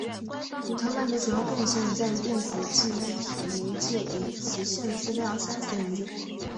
古特曼的主要贡献在于电子记忆体媒介与磁性资料删除研究。